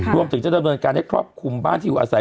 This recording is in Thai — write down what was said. รวมถึงจะดำเนินการให้ครอบคลุมบ้านที่อยู่อาศัย